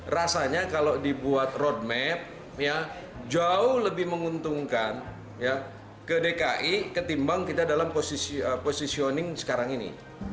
rasanya kalau dibuat roadmap jauh lebih menguntungkan ke dki ketimbang kita dalam positioning sekarang ini